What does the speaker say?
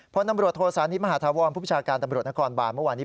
พลตำรวจโทษานิทมหาธาวรผู้ประชาการตำรวจนครบานเมื่อวานนี้